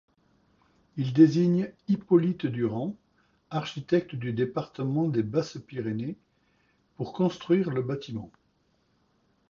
Il désigne Hippolyte Durand, architecte du département des Basses-Pyrénées, pour construire le bâtiment.